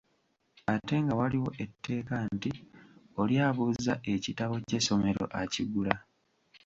Ate nga waliwo etteeka nti: "Oli abuuza ekitabo ky'essomero, akigula."